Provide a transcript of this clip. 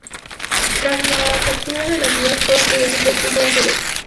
Tras la captura de la ciudad, toda su población fue expulsada hacia el este.